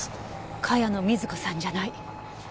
茅野瑞子さんじゃない。